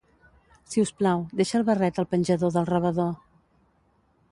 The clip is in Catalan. Si us plau, deixa el barret al penjador del rebedor.